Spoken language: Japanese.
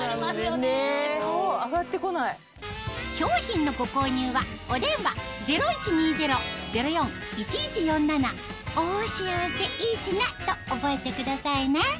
商品のご購入はお電話０１２０−０４−１１４７と覚えてくださいね